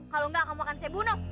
kalau enggak kamu akan saya bunuh